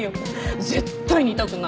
絶対似たくない。